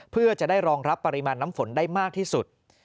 เพื่อจะได้รองรับปริมาณน้ำฝนได้มากที่สุด